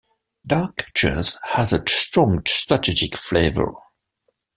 Dark chess has a strong strategic flavor.